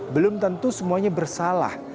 belum tentu semuanya bersalah